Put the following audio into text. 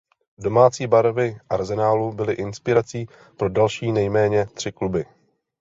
Domácí barvy Arsenalu byly inspirací pro další nejméně tři kluby.